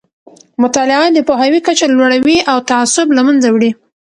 مطالعه د پوهاوي کچه لوړوي او تعصب له منځه وړي.